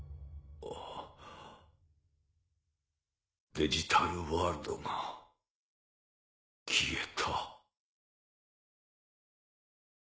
デジタルワールドが消えた？